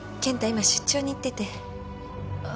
今出張に行ってて。